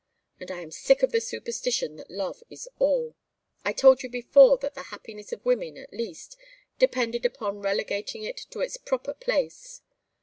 And I am sick of the superstition that love is all. I told you before that the happiness of women, at least, depended upon relegating it to its proper place.